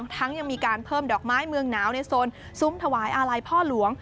ยังมีการเพิ่มดอกไม้เมืองหนาวในโซนซุ้มถวายอาลัยพ่อหลวง